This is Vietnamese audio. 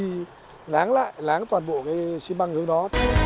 để nắng lại nắng toàn bộ cái xe băng dưới đó